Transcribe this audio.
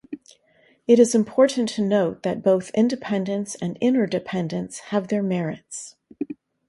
It is important to note that both independence and interdependence have their merits.